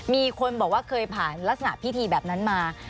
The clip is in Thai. มีคนบอกว่าเคยผ่านลักษณะพิธีแบบนั้นมา